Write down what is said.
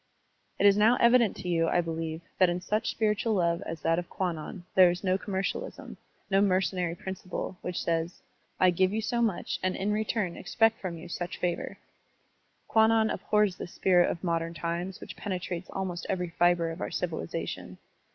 It is now evident to you, I beUeve, that in such spiritual love as that of Kwannon there is no commercialism, no mercenary principle, which says, "I give you so much and in return expect from you such favor." Kwannon abhors this spirit of modem times which penetrates almost every fibre of our civilization.